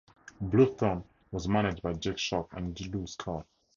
Bluffton was managed by Jake Schock and Lew Scott.